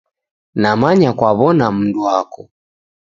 Namanya kwaw'ona mndu wako.